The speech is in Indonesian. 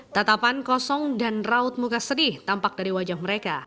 tatapan kosong dan raut muka sedih tampak dari wajah mereka